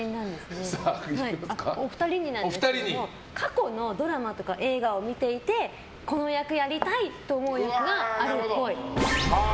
お二人になんですけど過去のドラマとか映画を見ていてこの役やりたい！と思う役があるっぽい。